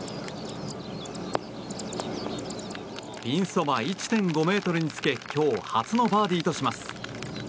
ピンそば１．５ｍにつけ今日初のバーディーとします。